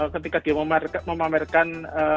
ketika dia memamerkan